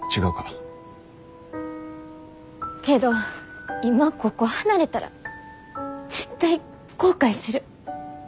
けど今ここ離れたら絶対後悔する。